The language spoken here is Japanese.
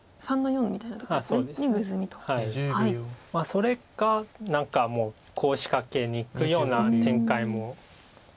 それか何かもうコウを仕掛けにいくような展開も。